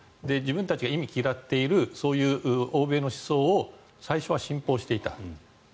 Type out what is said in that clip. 自分たちが忌み嫌っているそういう欧米の思想を最初は信奉していた。